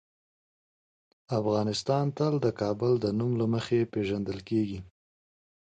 افغانستان تل د کابل د نوم له مخې پېژندل کېږي.